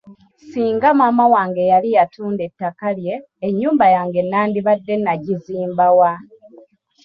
Singa maama wange yali yatunda ettaka lye, ennyumba yange nandibadde nagizimba wa?